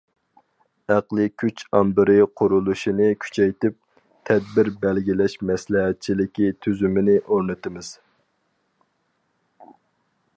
ئەقلىي كۈچ ئامبىرى قۇرۇلۇشىنى كۈچەيتىپ، تەدبىر بەلگىلەش مەسلىھەتچىلىكى تۈزۈمىنى ئورنىتىمىز.